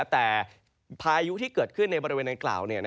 แต่พายุที่เกิดขึ้นในบริเวณดังกล่าว